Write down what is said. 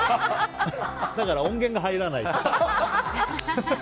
だから音源が入らない。